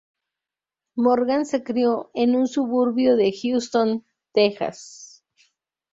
Morgan se crio en un suburbio de Houston, Texas.